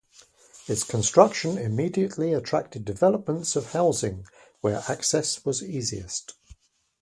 Its construction immediately attracted developments of housing where access was easiest.